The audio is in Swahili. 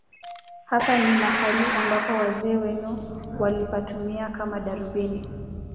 Hapa ni mahali ambapo wazee wetu walipatumia kama darubini